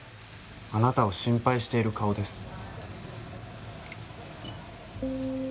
あなたを心配している顔です。